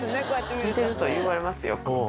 似てると言われます、よく。